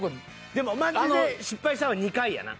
でもマジで失敗したんは２回やな。